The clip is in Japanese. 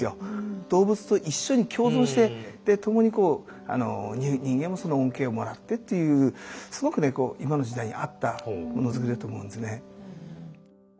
動物と一緒に共存して共に人間もその恩恵をもらってというすごく今の時代に合ったものづくりだと思うんですね。